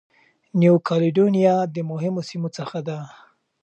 نیو کالېډونیا د مهمو سیمو څخه ده.